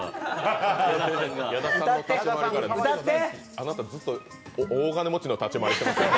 あなた、ずっと大金持ちの立ち回りしてますよ。